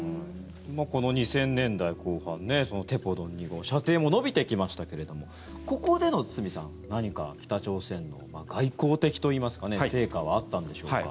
この２０００年代後半テポドン２号射程も延びてきましたけれどもここでの、堤さん何か北朝鮮の外交的といいますか成果はあったんでしょうか。